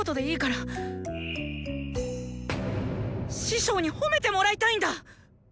師匠に褒めてもらいたいんだ。